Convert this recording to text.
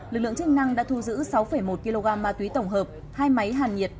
lực lượng chức năng đã thu giữ sáu một kg ma túy tổng hợp hai máy hàn nhiệt